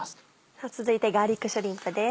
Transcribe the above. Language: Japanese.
さぁ続いてガーリックシュリンプです。